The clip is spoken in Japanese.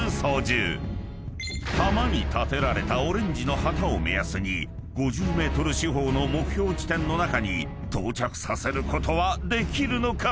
［浜に立てられたオレンジの旗を目安に５０ｍ四方の目標地点の中に到着させることはできるのか？］